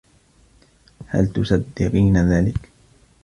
هل تصدّقين ذلك؟